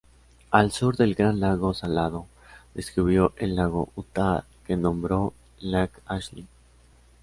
Al sur del Gran Lago Salado, descubrió el lago Utah, que nombró Lake Ashley.